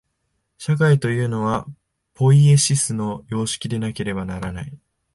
社会というのは、ポイエシスの様式でなければならない。